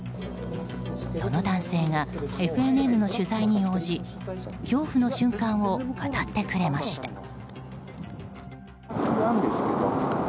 その男性がＦＮＮの取材に応じ恐怖の瞬間を語ってくれました。